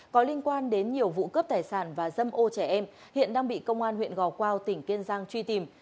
có liên quan đến nhiều vụ cướp tài sản và dâm ô trẻ em hiện đang bị công an huyện gò quao tỉnh kiên giang truy tìm